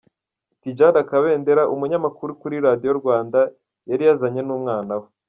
Tidjala Kabendera, umunyamakuru kuri Radio Rwanda, yari yazanye n'umwana we.